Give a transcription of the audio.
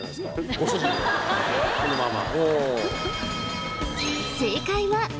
ご主人をこのまま？